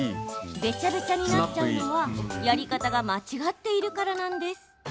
ベチャベチャになっちゃうのはやり方が間違っているからなんです。